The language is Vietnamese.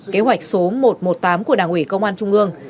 kế hoạch số một trăm một mươi tám của đảng ủy công an trung ương